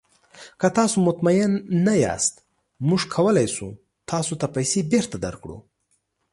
که تاسو مطمین نه یاست، موږ کولی شو تاسو ته پیسې بیرته درکړو.